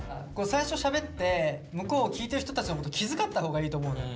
最初しゃべって向こう聞いてる人たちのこと気づかったほうがいいと思うのよ。